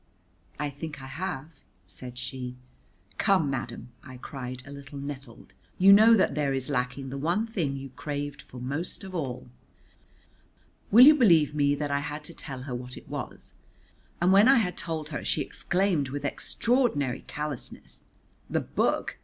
"I think I have," said she. "Come, madam," I cried a little nettled, "you know that there is lacking the one thing you craved for most of all." Will you believe me that I had to tell her what it was? And when I had told her she exclaimed with extraordinary callousness, "The book?